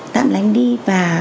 tạm lánh đi và